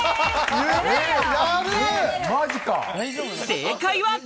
正解は。